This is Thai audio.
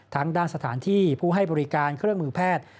ทั้งด้านสถานที่ผู้ให้บริการเครื่องมือแพทย์